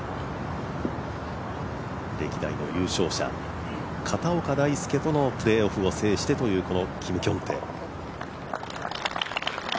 歴代の優勝者片岡大育とのプレーオフを制してというこのキム・キョンテ。